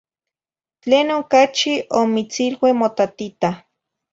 Tlenon cachi omitzilue motatita.